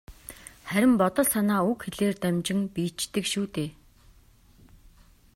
Харин бодол санаа үг хэлээр дамжин биеждэг шүү дээ.